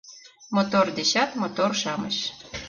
Мотор дечат мотор-шамыч